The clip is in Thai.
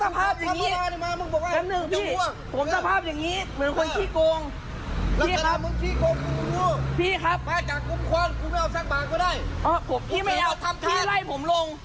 พี่ไม่เอาทำพี่ไล่ผมลง